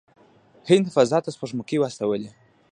هند فضا ته سپوږمکۍ واستولې.